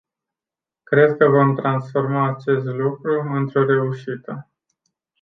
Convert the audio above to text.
Cred că vom transforma acest lucru într-o reușită.